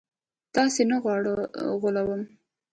تاسي نه غولوم